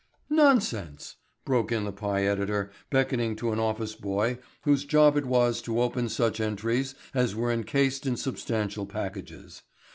"Nonsense," broke in the pie editor beckoning to an office boy whose job it was to open such entries as were encased in substantial packages.